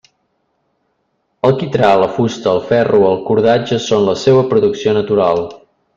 El quitrà, la fusta, el ferro, el cordatge són la seua producció natural.